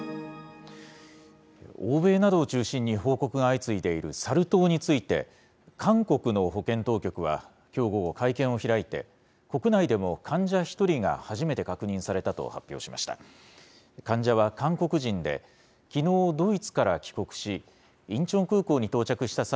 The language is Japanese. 欧米などを中心に報告が相次いでいるサル痘について、韓国の保健当局はきょう午後、会見を開いて、国内でも患者１人が初めて確認されたと発表しました。